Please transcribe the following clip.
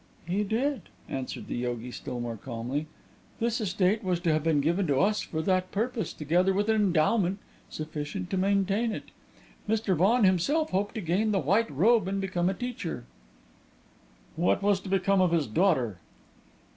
"He did," answered the yogi, still more calmly. "This estate was to have been given to us for that purpose, together with an endowment sufficient to maintain it. Mr. Vaughan himself hoped to gain the White Robe and become a teacher." "What was to become of his daughter?"